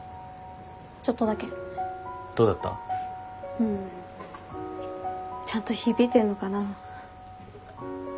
うんちゃんと響いてんのかな。